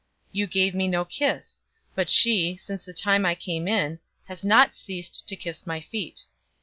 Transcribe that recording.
007:045 You gave me no kiss, but she, since the time I came in, has not ceased to kiss my feet.